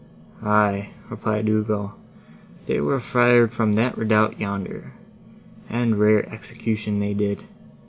"Aye," replied Ugo, "they were fired from that redoubt, yonder, and rare execution they did.